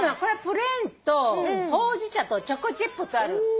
プレーンとほうじ茶とチョコチップとある。